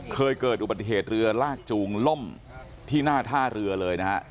เคยเกิดอุบัติเหตุเรือลากจูงล่มที่หน้าท่าเรือเลยนะครับ